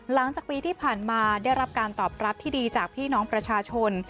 หลังจากปีที่ผ่านมาได้รับการตอบรับที่ดีจากพี่น้องประชาชน